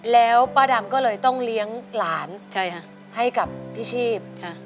แล้วป้าดำก็เลยต้องเลี้ยงหลานให้กับพี่ชีพ